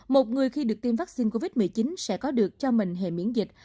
một người khi được tiêm vắc xin covid một mươi chín sẽ có được cho mình hệ miễn dịch